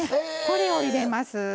これを入れます。